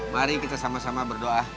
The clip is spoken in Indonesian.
mari kita sama sama berdoa